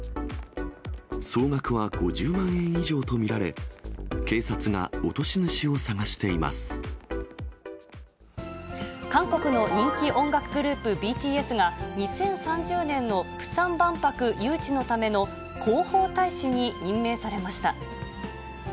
総額は５０万円以上と見られ、韓国の人気音楽グループ、ＢＴＳが、２０３０年のプサン万博誘致のための広報大使に任命されました。